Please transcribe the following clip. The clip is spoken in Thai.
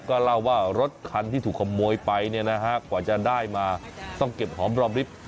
ก็เล่าว่ารถคันที่ถูกขโมยไปเนี่ยนะฮะกว่าจะได้มาต้องเก็บหอมรอมริฟท์